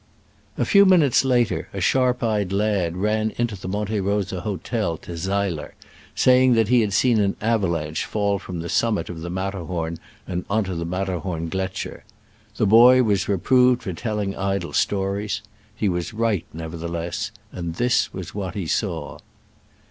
A few minutes later a sharp eyed lad ran into the Monte Rosa hotel to Seiler, saying that he had seen an avalanche fall from the summit of the Matterhorn on to the Matterhorngletscher. The boy was reproved for telling idle stories : he was right, nevertheless, and this was what he saw.